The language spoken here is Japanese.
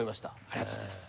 ありがとうございます。